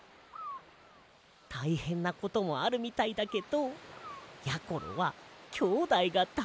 たいへんなこともあるみたいだけどやころはきょうだいがだいすきなんだな。